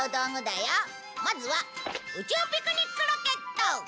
まずは宇宙ピクニックロケット！